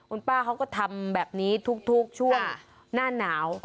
คุณป้าเขาก็ทำแบบนี้ทุกช่วงหน้าหนาว